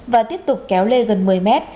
và tiếp tục kéo lê gần một mươi m